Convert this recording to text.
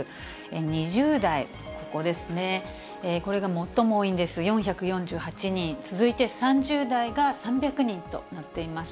２０代、ここですね、これが最も多いんです、４４８人、続いて３０代が３００人となっています。